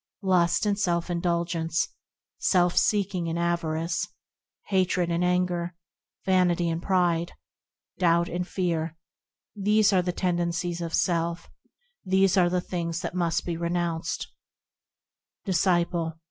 Lust and self indulgence, Self seeking and avarice, Hatred and anger, Vanity and pride, Doubt and fear– These are the tendencies of self; These are the things that must be renounced ; Disciple.